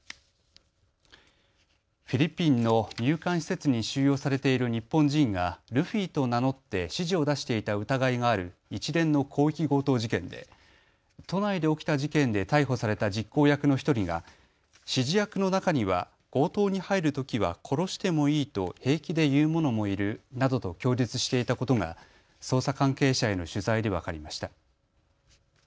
フィリピンの入管施設に収容されている日本人がルフィと名乗って指示を出していた疑いがある一連の広域強盗事件で都内で起きた事件で逮捕された実行役の１人が指示役の中には強盗に入るときは殺してもいいと平気で言う者もいるなどと供述していたことが捜査関係者への取材で分かりました。